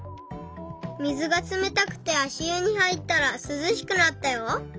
水がつめたくてあしゆにはいったらすずしくなったよ。